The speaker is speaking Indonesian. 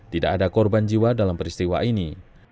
tidak ada korban jiwa dalam peristiwa ini